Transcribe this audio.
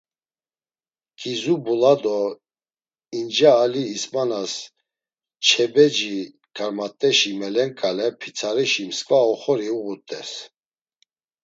Ǩizu Bula do İnce Ali İsmanas Çebeci karmat̆eşi melenǩale pitsarişi mskva oxori uğut̆es.